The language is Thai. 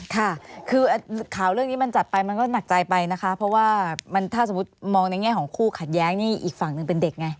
ค่ะคือข่าวเรื่องนี้มันจัดไปมันก็หนักใจไปนะคะเพราะว่าถ้าสมมุติมองในแง่ของคู่ขัดแย้งนี่อีกฝั่งหนึ่งเป็นเด็กไง